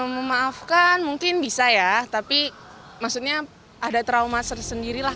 memaafkan mungkin bisa ya tapi maksudnya ada trauma tersendiri lah